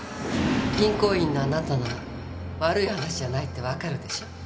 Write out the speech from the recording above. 銀行員のあなたなら悪い話じゃないってわかるでしょ？